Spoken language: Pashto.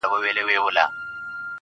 نه هغه ژوند راپاته دی نه هاغسې سازونه~